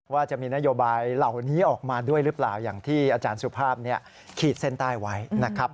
ว่าจะมีนโยบายเหล่านี้ออกมาด้วยหรือเปล่าอย่างที่อาจารย์สุภาพขีดเส้นใต้ไว้นะครับ